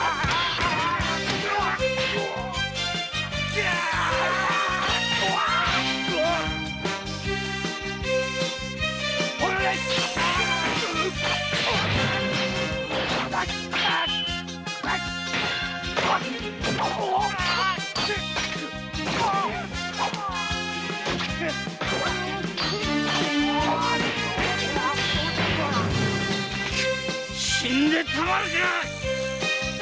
死んでたまるか！